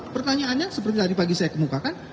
pertanyaannya seperti tadi pagi saya kemukakan